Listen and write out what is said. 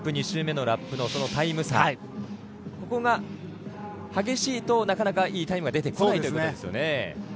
２周目のラップのタイム差が激しいとなかなかいいタイムが出てこないということですよね。